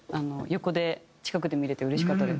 横で近くで見れてうれしかったです。